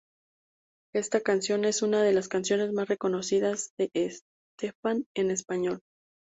Esta canción es una de las canciones más reconocidas de Estefan en español.